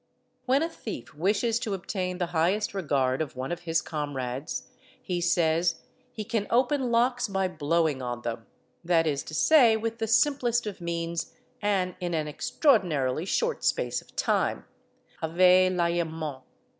When a thief wishes to obtain the highest regard of one of his comrades he says "he can open locks by Fig. 142. blowing on them'', that is to say, with the simplest of means and in an _ extraordinarily short space of time (Avé Lallemant).